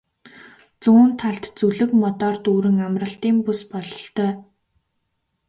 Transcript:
Зүүн талд зүлэг модоор дүүрэн амралтын бүс бололтой.